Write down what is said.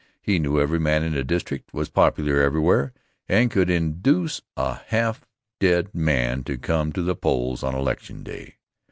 He knew every man in the district, was popular everywhere and could induce a half dead man to come to the polls on election day.